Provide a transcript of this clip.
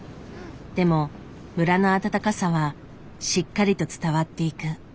でも村の温かさはしっかりと伝わっていく。